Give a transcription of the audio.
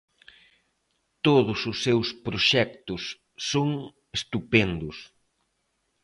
Todos os seus proxectos son estupendos.